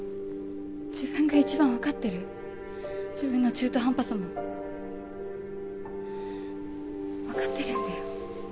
自分が一番分かってる自分の中途半端さも分かってるんだよ